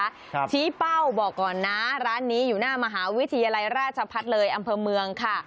ครับชี้เป้าบอกก่อนนะร้านนี้อยู่หน้ามหาวิทยาลัยราชพัฒน์เลยอำเภอเมืองค่ะ